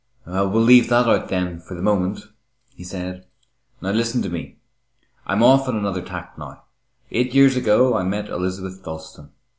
"We'll leave that out, then, for the moment," he said. "Now listen to me. I'm off on another tack now. Eight years ago I met Elizabeth Dalstan.